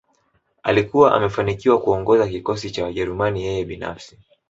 Alikuwa amefanikiwa kuongoza kikosi cha Wajerumani yeye binafsi